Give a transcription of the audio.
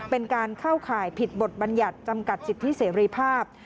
เป็นการเข้าข่ายผิดบทบัญญัติจำกัดสิทธิเสรีภาพ